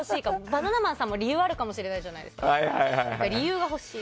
バナナマンさんとかも理由があるかもしれないじゃないですか。